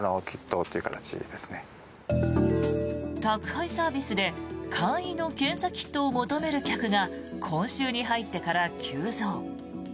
宅配サービスで簡易の検査キットを求める客が今週に入ってから急増。